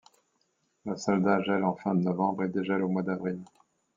La Salda gèle en fin de novembre et dégèle au mois d'avril.